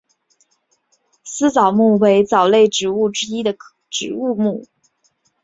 丝藻目为藻类植物之一植物目。